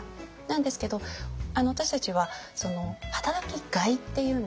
なんですけど私たちは働きがいっていうんですかね